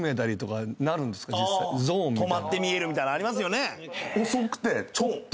止まって見えるみたいなありますよね。